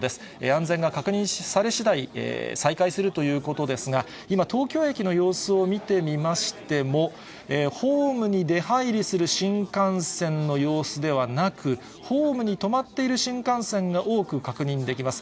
安全が確認されしだい、再開するということですが、今、東京駅の様子を見てみましても、ホームに出入りする新幹線の様子ではなく、ホームに止まっている新幹線が多く確認できます。